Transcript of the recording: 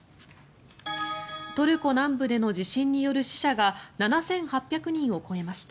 トルコ南部での地震による死者が７８００人を超えました。